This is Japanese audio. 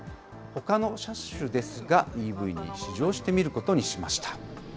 ほかの車種ですが、ＥＶに試乗してみることにしました。